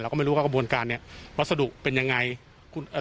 เราก็ไม่รู้ว่ากระบวนการเนี่ยวัสดุเป็นอย่างไร